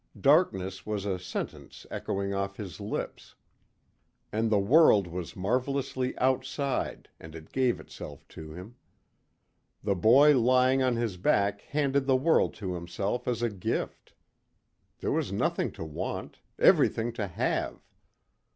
Darkness was a sentence echoing off his lips. And the world was marvelously outside and it gave itself to him. The boy lying on his back handed the world to himself as a gift. There was nothing to want, everything to have.